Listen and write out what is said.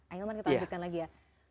akhilman kita ucapkan lagi ya